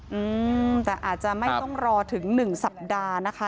อืมแต่อาจจะไม่ต้องรอถึงหนึ่งสัปดาห์นะคะ